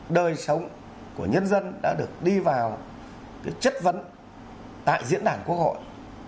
đời sống của nhân dân đã được đi vào cái chất vấn tại diễn đàn quốc hội